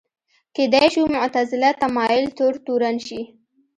کېدای شو معتزله تمایل تور تورن شي